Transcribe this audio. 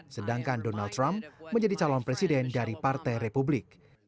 sedangkan donald trump menjadi calon presiden dari partai republik